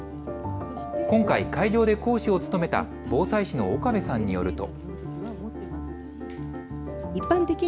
今回、会場で講師を務めた防災士の岡部さんによると。